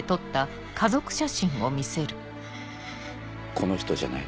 この人じゃない？